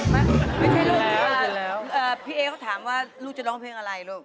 ไม่ใช่ร้องแล้วพี่เอ๊เขาถามว่าลูกจะร้องเพลงอะไรลูก